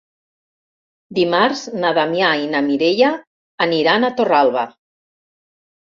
Dimarts na Damià i na Mireia aniran a Torralba.